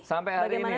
sampai hari ini